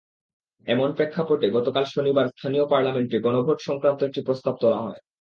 এমন প্রেক্ষাপটে গতকাল শনিবার স্থানীয় পার্লামেন্টে গণভোট-সংক্রান্ত একটি প্রস্তাব তোলা হয়।